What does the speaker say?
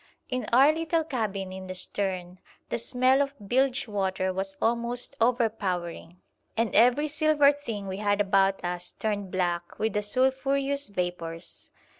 In our little cabin in the stern the smell of bilge water was almost overpowering, and every silver thing we had about us turned black with the sulphureous vapours.